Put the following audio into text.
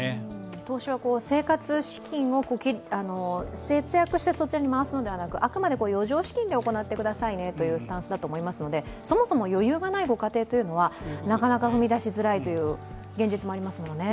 投資は、生活資金を節約してそちらに回すのではなくあくまで余剰資金で行ってくださいねというスタンスだと思いますのでそもそも余裕がないご家庭はなかなか踏み出しづらいという現実もありますもんね。